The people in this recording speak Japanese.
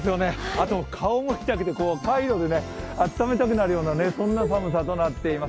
顔もカイロで温めたくなるような寒さとなっています。